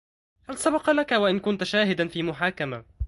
هل سبق لك و أن كنت شاهدا في محاكمة؟